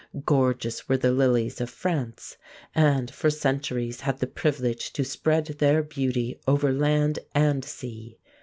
Gorgeous were the lilies of France, and for centuries had the privilege to spread their beauty over land and sea